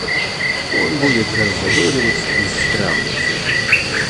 Он будет раззадоривать и стравливать их.